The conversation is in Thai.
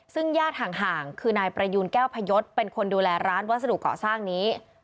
ซึ่งญาติห่างคือนายประยูนแก้วพยศเป็นคนดูแลร้านวัสดุเกาะสร้างนี้